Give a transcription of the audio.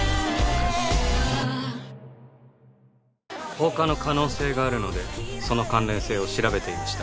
放火の可能性があるのでその関連性を調べていました。